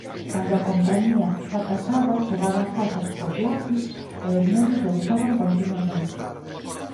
Cando a compañía fracasaba chegaba á casa cos lapis e os nenos debuxaban continuamente.